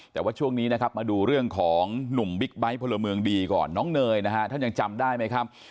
แต่ว่าช่วงนี้นะครับมาดูเรื่องของหนุ่มบิ๊กไบท์พลเมืองดีก่อนน้องเนยนะฮะท่านยังจำได้ไหมครับ